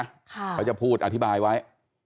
เขาจะพูดอธิบายไว้